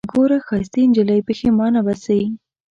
ګوره ښايستې نجلۍ پښېمانه به سې